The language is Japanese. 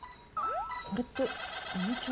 これってあの帳簿？